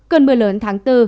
cơn mưa lớn tháng bốn